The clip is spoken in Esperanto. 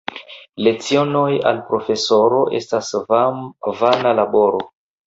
Lecionoj al profesoro estas vana laboro.